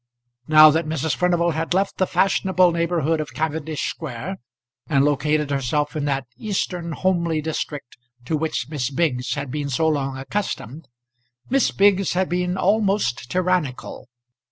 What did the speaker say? Now that Mrs. Furnival had left the fashionable neighbourhood of Cavendish Square, and located herself in that eastern homely district to which Miss Biggs had been so long accustomed, Miss Biggs had been almost tyrannical.